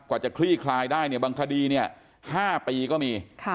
กว่าจะคลี่คลายได้บางคดี๕ปีก็มี